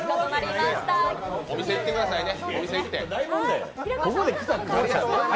お店、行ってくださいね。